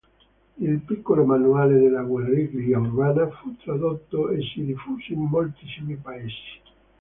Il "Piccolo manuale della guerriglia urbana" fu tradotto e si diffuse in moltissimi Paesi.